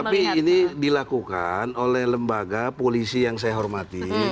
tapi ini dilakukan oleh lembaga polisi yang saya hormati